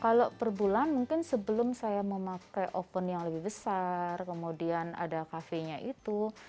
kalau per bulan mungkin sebelum saya memakai oven yang lebih besar kemudian ada kafenya itu